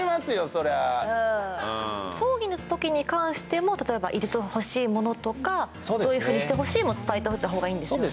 そりゃあ葬儀のときに関しても例えば入れてほしいものとかどういうふうにしてほしいも伝えておいた方がいいんですよね